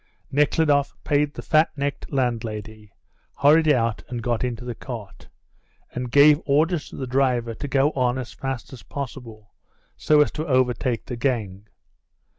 Nekhludoff paid the fat necked landlady, hurried out and got into the cart, and gave orders to the driver to go on as fast as possible, so as to overtake the gang.